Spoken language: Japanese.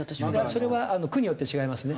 それは区によって違いますね。